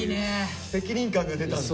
責任感が出たんだ。